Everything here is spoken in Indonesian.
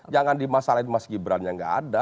jangan dimasalahin mas gibran yang gak ada